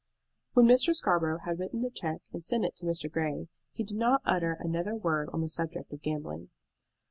When Mr. Scarborough had written the check and sent it to Mr. Grey, he did not utter another word on the subject of gambling.